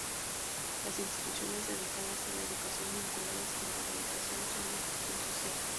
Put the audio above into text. Las instituciones dedicadas a la educación vinculadas con la organización son de gestión social.